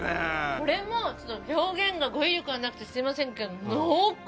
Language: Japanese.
これも表現の語彙力がなくてすみませんけど濃厚！